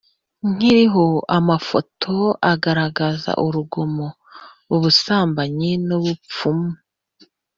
Kiriho amafoto agaragaza urugomo ubusambanyi n’ubupfumu